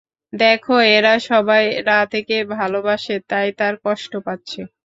দেখো, এরা সবাই রাধেকে ভালোবাসে তাই তার কষ্ট পাচ্ছে।